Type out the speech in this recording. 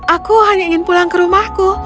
aku hanya ingin pulang ke rumahku